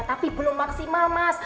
tapi belum maksimal mas